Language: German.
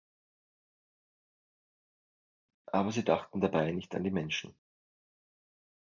Aber sie dachten dabei nicht an die Menschen.